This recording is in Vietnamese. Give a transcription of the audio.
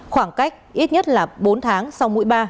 khoảng cách ít nhất là bốn tháng sau mũi ba